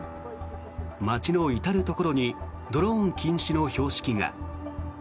街の至るところにドローン禁止の標識が。